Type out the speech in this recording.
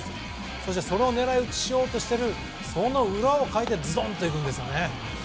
そして、それを狙い打ちしようとしている裏をかいてずどんといくんですよね。